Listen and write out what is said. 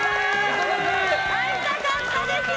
会いたかったですー！